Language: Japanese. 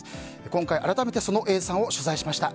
今回、改めてＡさんを取材しました。